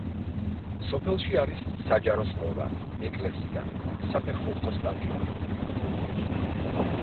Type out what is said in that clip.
სოფელში არის საჯარო სკოლა, ეკლესია, საფეხბურთო სტადიონი.